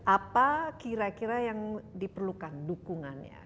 apa kira kira yang diperlukan dukungannya